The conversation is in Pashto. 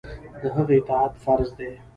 د هغه اطاعت فرض دی.